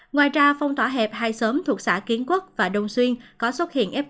ngoài ra phong tỏa hẹp hai xóm thuộc xã kiến quốc và đông xuyên có xuất hiện f một